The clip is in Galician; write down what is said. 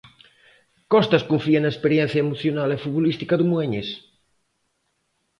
Costas confía na experiencia emocional e futbolística do moañés.